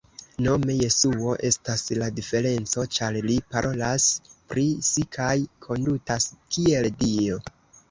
Nome Jesuo estas la diferenco ĉar li parolas pri si kaj kondutas kiel Dio!